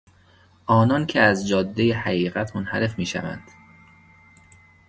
آنانکه از جادهی حقیقت منحرف میشوند